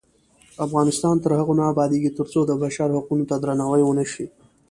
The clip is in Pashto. افغانستان تر هغو نه ابادیږي، ترڅو د بشر حقونو ته درناوی ونشي.